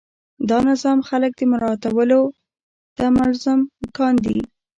دا نظام خلک مراعاتولو ته ملزم کاندي.